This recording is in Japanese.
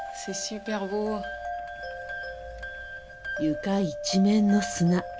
床一面の砂。